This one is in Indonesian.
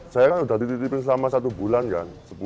saya kan sudah dititipin selama satu bulan kan